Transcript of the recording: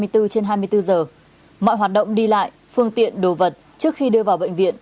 hai mươi bốn trên hai mươi bốn giờ mọi hoạt động đi lại phương tiện đồ vật trước khi đưa vào bệnh viện